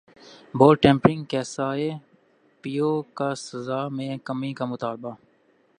بال tampering کیساے پی یو کا سزا میں کمی کامطالبہ